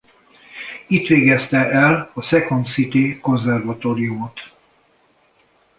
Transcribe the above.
Itt végezte el a Second City konzervatóriumot.